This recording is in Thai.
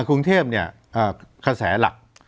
คุ้งเทพเคระแสหลัก